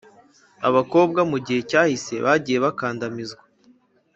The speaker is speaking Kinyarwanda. abakobwa mu gihe cyahise bagiye bakandamizwa,